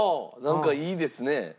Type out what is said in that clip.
なんかいいですね。